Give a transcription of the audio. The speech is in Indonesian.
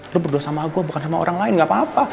lo berdua sama aku bukan sama orang lain gak apa apa